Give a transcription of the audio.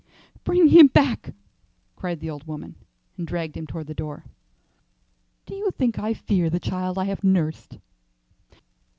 "Bring him back," cried the old woman, and dragged him toward the door. "Do you think I fear the child I have nursed?"